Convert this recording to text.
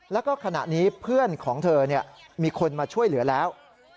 แล้วก็ขณะนี้เพื่อนของเธอมีคนมาช่วยเหลือแล้ว